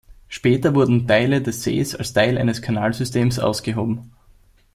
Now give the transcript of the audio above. Später wurden Teile des Sees als Teil eines Kanalsystems ausgehoben.